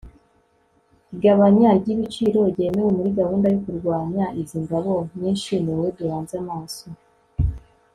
Igabanya ry igiciro ryemewe muri gahunda yo kurwanya izi ngabo nyinshi Ni wowe duhanze amaso